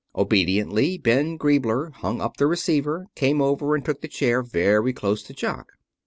Obediently Ben Griebler hung up the receiver, came over, and took the chair very close to Jock.